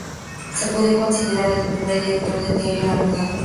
Se puede considerar el primer director del diario La Verdad.